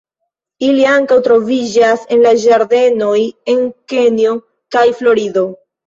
Ili ankaŭ troviĝas en la ĝardenoj en Kenjo kaj Florido.